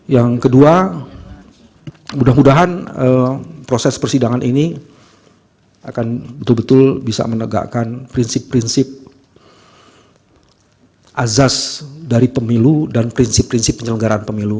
yang kedua mudah mudahan proses persidangan ini akan betul betul bisa menegakkan prinsip prinsip azas dari pemilu dan prinsip prinsip penyelenggaraan pemilu